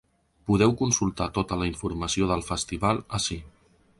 Podeu consultar tota la informació del festival ací.